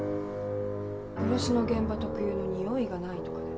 殺しの現場特有のにおいがないとかで。